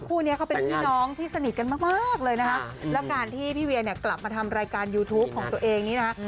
คู่นี้เขาเป็นพี่น้องที่สนิทกันมากมากเลยนะคะแล้วการที่พี่เวียเนี่ยกลับมาทำรายการยูทูปของตัวเองนี้นะคะ